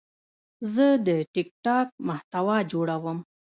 زه د ټک ټاک محتوا جوړوم.